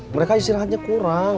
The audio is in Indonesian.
mereka istirahatnya kurang